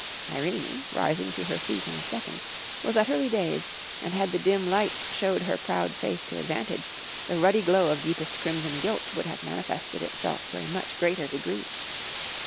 Irene, rising to her feet in a second, was utterly dazed, and had the dim lights shewed her proud face to advantage, the ruddy glow of deepest crimson guilt would have manifested itself to a much greater degree.